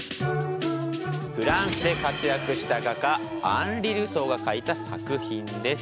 フランスで活躍した画家アンリ・ルソーが描いた作品です。